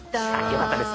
よかったです